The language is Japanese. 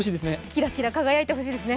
キラキラ輝いてほしいですね。